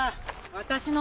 私の。